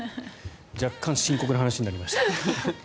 若干深刻な話になりました。